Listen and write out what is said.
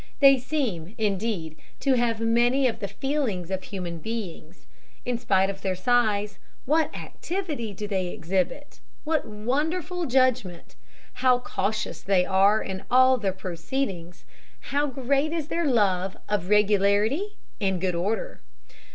They seem, indeed, to have many of the feelings of human beings. In spite of their size, what activity do they exhibit! what wonderful judgment! How cautious they are in all their proceedings! How great is their love of regularity and good order!